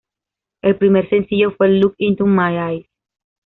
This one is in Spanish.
El primer sencillo fue "Look Into My Eyes".